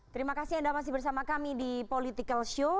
terima kasih anda masih bersama kami di political show